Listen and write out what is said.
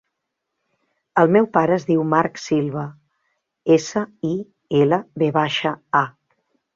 El meu pare es diu Marc Silva: essa, i, ela, ve baixa, a.